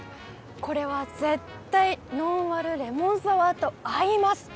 これは絶対ノンアルレモンサワーと合います！